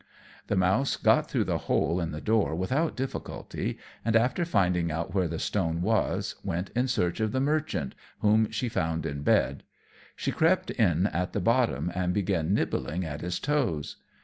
The mouse got through the hole in the door without difficulty; and, after finding out where the stone was, went in search of the merchant, whom she found in bed. She crept in at the bottom and began nibbling at his toes.